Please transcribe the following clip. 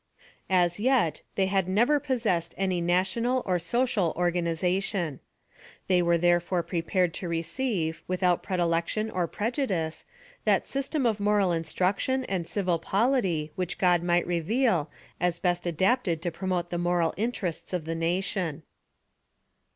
As yet, they had never pos sessed any national or social organization. They were therefore prepared to receive, without predi lection or prejudice, that system of moral instruc tion and civil polity, which God might reveal, as best adapted to promote the moral interests of the nation.